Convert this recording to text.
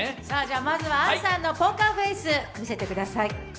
まずは杏さんのポーカーフェース見せてください。